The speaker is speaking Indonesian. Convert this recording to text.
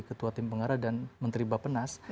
ketua tim pengarah dan menteri bapak nas